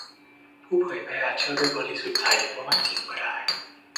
ผู้เผยแพร่อาจเชื่อโดยบริสุทธิ์ใจว่ามันจริงก็ได้